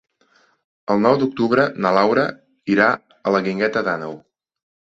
El nou d'octubre na Laura irà a la Guingueta d'Àneu.